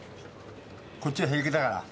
こっちは平気だから。